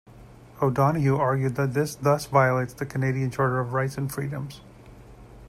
O'Donohue argued that it thus violates the Canadian Charter of Rights and Freedoms.